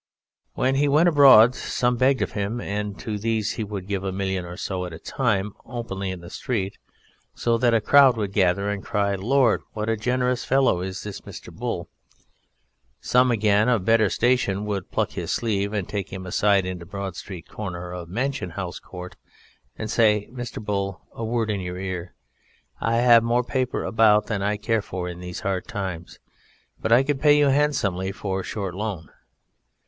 When he went abroad some begged of him, and to these he would give a million or so at a time openly in the street, so that a crowd would gather and cry, "Lord! what a generous fellow is this Mr. Bull!" Some, again, of better station would pluck his sleeve and take him aside into Broad Street Corner or Mansion House Court, and say, "Mr. Bull, a word in your ear. I have more paper about than I care for in these hard times, and I could pay you handsomely for a short loan."